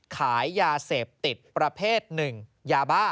ขายยาเสพติดประเภท๑ยาบ้า